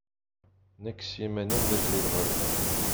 Nekk s yiman-iw d ajdid ɣer da.